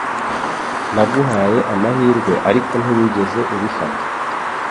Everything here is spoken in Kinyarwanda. Naguhaye amahirwe ariko ntiwigeze ubifata